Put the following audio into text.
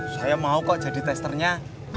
saya mau kok jadi testernya